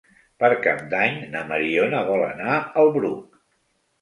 Per Cap d'Any na Mariona vol anar al Bruc.